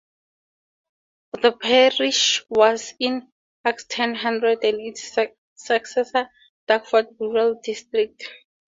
The parish was in Axstane Hundred and its successor Dartford Rural District.